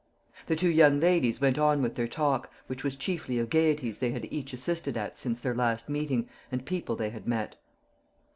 The two young ladies went on with their talk, which was chiefly of gaieties they had each assisted at since their last meeting, and people they had met.